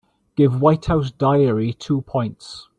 Give White House Diary two points